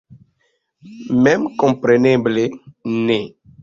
Memkompreneble ne.